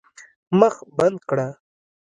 مخ بنده کړه.